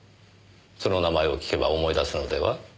その名前を聞けば思い出すのでは？